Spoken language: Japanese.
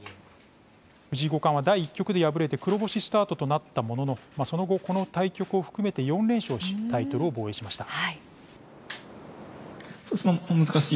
藤井五冠は、第１局で敗れて黒星スタートとなったもののその後、この対局を含めて４連勝しタイトルを防衛しました。